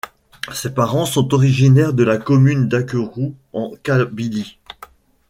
Ses parents sont originaires de la commune d'Akerou, en Kabylie.